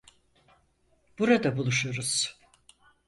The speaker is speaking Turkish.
Burada buluşuruz.